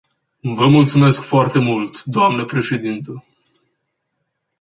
Vă mulțumesc foarte mult, dnă președintă.